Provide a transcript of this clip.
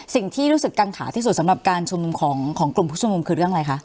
สิ่งที่รู้สึกกังขาที่สุดสำหรับการชุมนุมของกลุ่มผู้ชุมนุมคือเรื่องอะไรคะ